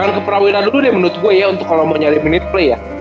untuk prawira dulu deh menurut gue ya untuk kalau mau nyari mid play ya